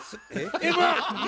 「Ｍ−１」！